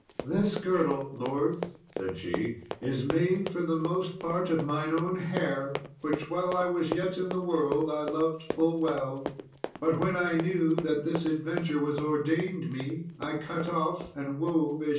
"This girdle, lords," said she, "is made for the most part of mine own hair, which, while I was yet in the world, I loved full well; but when I knew that this adventure was ordained me, I cut off and wove as ye now see."